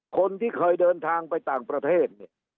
คนที่เคยเดินทางไปต่างประเทศเนี่ย